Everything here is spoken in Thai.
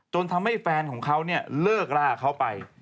จนทำให้แฟนของเขาเลิกล่าเขาไป